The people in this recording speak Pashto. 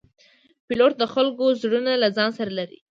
پیلوټ د خلکو زړونه له ځان سره لري.